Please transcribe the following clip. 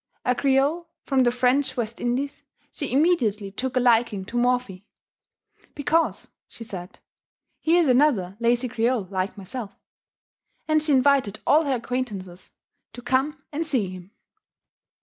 A Creole, from the French West Indies, she immediately took a liking to Morphy, "Because," said she, "he is another lazy Creole like myself;" and she invited all her acquaintances to come and see him.